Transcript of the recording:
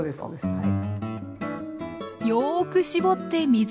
はい。